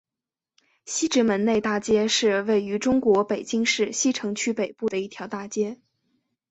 西直门内大街是位于中国北京市西城区北部的一条大街。